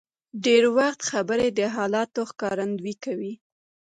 ډېر وخت خبرې د حالاتو ښکارندویي کوي.